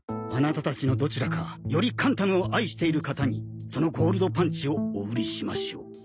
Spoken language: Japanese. あなたたちのどちらかよりカンタムを愛している方にそのゴールドパンチをお売りしましょう。